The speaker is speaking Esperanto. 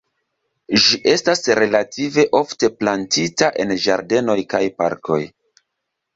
Ĝi estas relative ofte plantita en ĝardenoj kaj parkoj.